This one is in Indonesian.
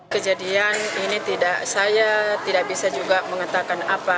kejadian ini tidak saya tidak bisa juga mengatakan apa